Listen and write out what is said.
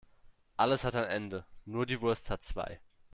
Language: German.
Alles hat ein Ende, nur die Wurst hat zwei.